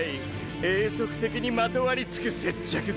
永続的にまとわりつく接着剤。